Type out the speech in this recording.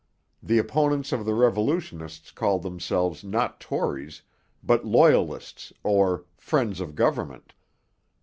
The opponents of the revolutionists called themselves not Tories, but Loyalists or 'friends of government.'